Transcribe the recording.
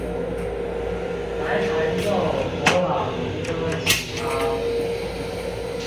來彈奏佛朗明哥吉他